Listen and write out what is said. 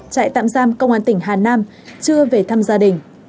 trại tạm giam công an tỉnh hà nam chưa về thăm gia đình